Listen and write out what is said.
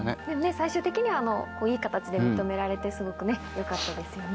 最終的にはいい形で認められてすごくよかったですよね。